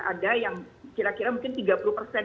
ada yang kira kira mungkin tiga puluh persen